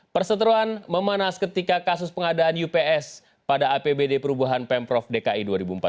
perseteruan memanas ketika kasus pengadaan ups pada apbd perubahan pemprov dki dua ribu empat belas